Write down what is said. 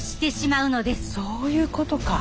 そういうことか。